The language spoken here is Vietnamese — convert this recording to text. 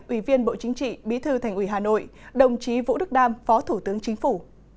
ủy viên bộ chính trị bí thư thành ủy hà nội đồng chí vũ đức đam phó thủ tướng chính phủ